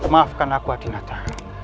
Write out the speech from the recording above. maafkan aku adinata